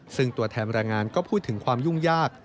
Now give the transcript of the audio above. ซึ่งตัวแทนแรงงานก็พูดถึงความยุ่งยาก